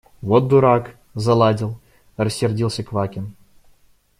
– Вот дурак – заладил! – рассердился Квакин.